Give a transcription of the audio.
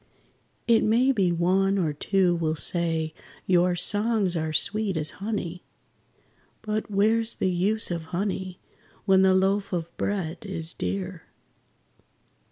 It may be one or two will say your songs are sweet as honey, But where's the use of honey, when the loaf of bread is dear?